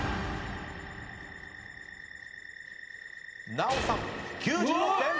ナヲさん９６点。